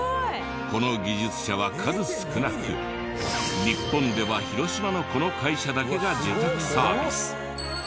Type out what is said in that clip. この技術者は数少なく日本では広島のこの会社だけが受託サービス。